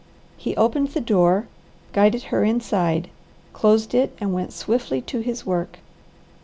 He opened the door, guided her inside, closed it, and went swiftly to his work.